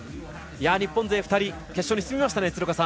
日本勢２人、決勝に進みましたね。